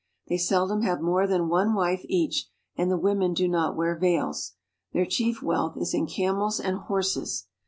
They seldom have more than one wife each, and the women do not wear veils. Their chief wealth is in camels and horses.